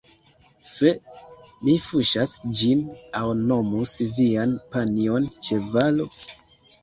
Se mi fuŝas ĝin aŭ nomus vian panjon ĉevalo